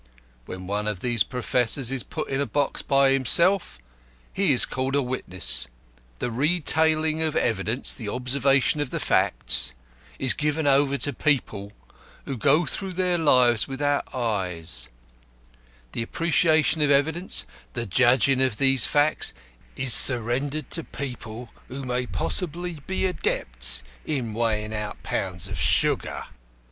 When one of these professors is put in a box by himself, he is called a witness. The retailing of evidence the observation of the facts is given over to people who go through their lives without eyes; the appreciation of evidence the judging of these facts is surrendered to people who may possibly be adepts in weighing out pounds of sugar.